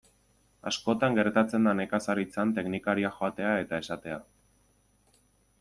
Askotan gertatzen da nekazaritzan teknikariak joatea eta esatea.